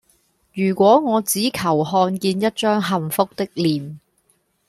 如果我只求看見一張幸福的臉